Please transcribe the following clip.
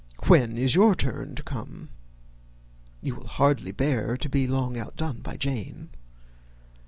When is your turn to come? You will hardly bear to be long outdone by Jane.